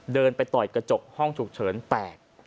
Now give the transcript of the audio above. เดินไปต่อยกระจกห้องฉุกเฉินแตก